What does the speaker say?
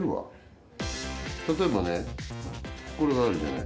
例えばねこれがあるじゃない？